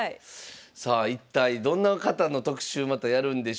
さあ一体どんな方の特集またやるんでしょうか。